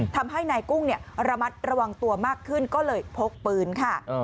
ทำให้นายกุ้งระมัดระวังตัวมากขึ้นก็เลยพกปืนค่ะ